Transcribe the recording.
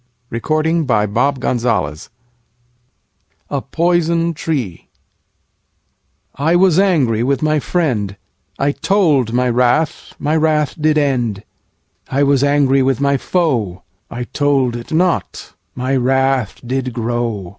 Songs of Experience A Poison Tree I WAS angry with my friend:I told my wrath, my wrath did end.I was angry with my foe:I told it not, my wrath did grow.